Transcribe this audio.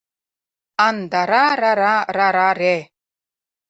Ан-дара-рара-ра-ра-ре...